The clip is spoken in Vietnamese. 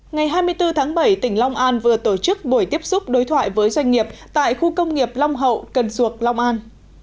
ngày hai mươi bốn tháng bảy tỉnh long an vừa tổ chức buổi tiếp xúc đối thoại với doanh nghiệp tại khu công nghiệp long hậu cần suộc long an